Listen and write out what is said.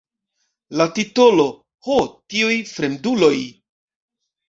La titolo "Ho, tiuj fremduloj!